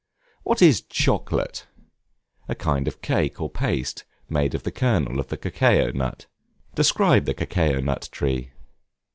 What is Chocolate? A kind of cake or paste, made of the kernel of the cacao nut. Describe the Cacao nut Tree.